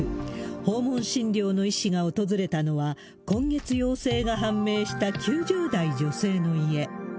訪問診療の医師が訪れたのは、今月、陽性が判明した９０代女性の家。